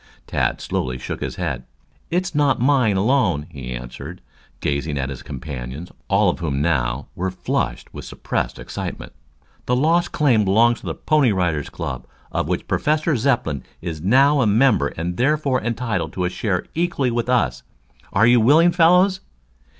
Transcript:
Tad slowly shook his head. "It's not mine alone," he answered, gazing at his companions, all of whom, now, were flushed with suppressed excitement. "The Lost Claim belongs to the Pony Rider Boys Club, of which Professor Zepplin is now a member and therefore entitled to share equally with us. Are you willing, fellows?"